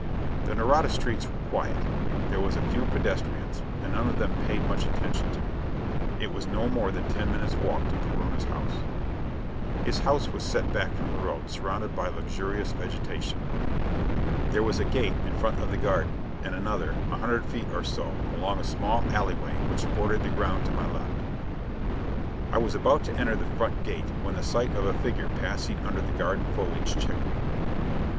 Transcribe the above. The Nareda streets were quiet. There was a few pedestrians, and none of them paid much attention to me. It was no more than ten minutes walk to Perona's home. His house was set back from the road, surrounded by luxurious vegetation. There was a gate in front of the garden, and another, a hundred feet or to along a small alleyway which bordered the ground to my left. I was about to enter the front gate when sight of a figure passing under the garden foliage checked me.